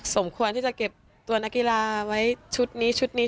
สมควรที่จะเก็บตัวนักกะลาว่าไว้